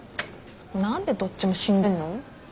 何でどっちも死んでんの？